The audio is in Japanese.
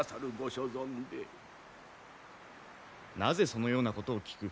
なぜそのようなことを聞く？